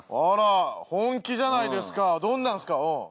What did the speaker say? あら本気じゃないですかどんなんですか？